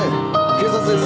警察です。